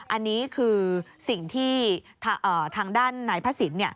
อันนี้คือสิ่งที่ทางด้านนายพระศิลป์